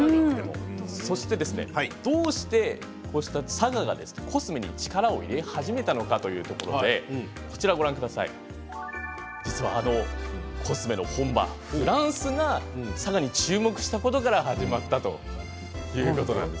佐賀がどうしてコスメに力を入れ始めたのかというところで実は、あのコスメの本場フランスが佐賀に注目したところから始まったということなんです。